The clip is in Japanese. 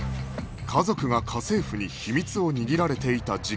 家族が家政婦に秘密を握られていた事件